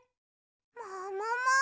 ももも！